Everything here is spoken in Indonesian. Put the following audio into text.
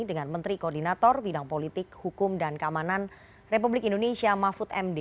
dengan menteri koordinator bidang politik hukum dan keamanan republik indonesia mahfud md